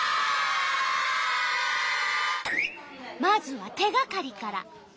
まずは手がかりから。